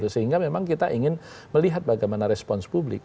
sehingga memang kita ingin melihat bagaimana respons publik